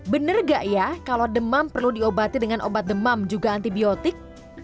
bener gak ya kalau demam perlu diobati dengan obat demam juga antibiotik